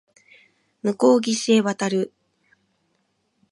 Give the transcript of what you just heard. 向こう岸へ渡る